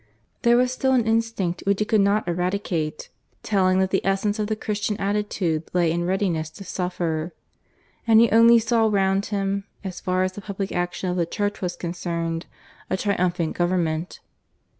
There was still an instinct which he could not eradicate, telling that the essence of the Christian attitude lay in readiness to suffer. And he only saw round him, so far as the public action of the Church was concerned, a triumphant Government.